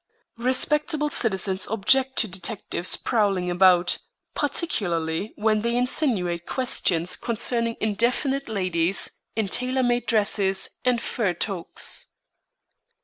Respectable citizens object to detectives prowling about, particularly when they insinuate questions concerning indefinite ladies in tailor made dresses and fur toques.